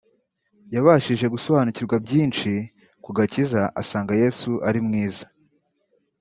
yabashije gusobanukirwa byinshi ku gakiza asanga Yesu ari mwiza